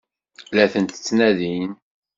La tent-ttnadin?